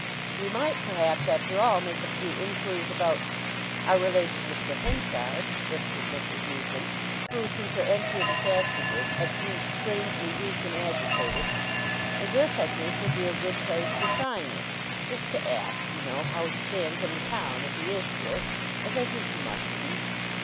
"We might, perhaps, after all, make a few inquiries about—our relation Mr. Henchard," whispered Mrs. Newson who, since her entry into Casterbridge, had seemed strangely weak and agitated, "And this, I think, would be a good place for trying it—just to ask, you know, how he stands in the town—if he is here, as I think he must be.